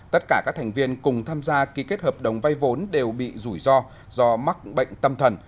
tất cả các thành viên cùng tham gia ký kết hợp đồng vay vốn đều bị rủi ro do mắc bệnh tâm thần